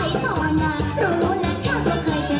แม่งทำชับช้า